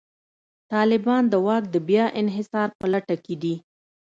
طالبان د واک د بیا انحصار په لټه کې دي.